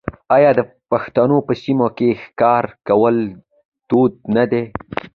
آیا د پښتنو په سیمو کې ښکار کول دود نه دی؟